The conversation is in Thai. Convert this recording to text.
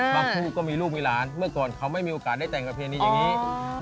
คู่ก็มีลูกมีหลานเมื่อก่อนเขาไม่มีโอกาสได้แต่งประเพณีอย่างนี้